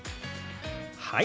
はい。